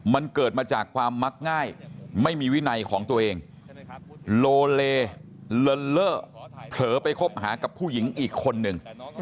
มันเกิดมาจากความมักง่ายไม่มีวินัยของตัวเองโลเลินเล่อเผลอไปคบหากับผู้หญิงอีกคนนึง